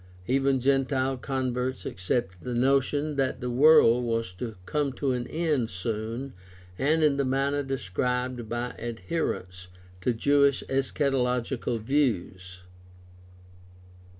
Even gentile converts accepted the notion that the world was to come to an end soon and in the manner described by adherents to Jewish eschatological views.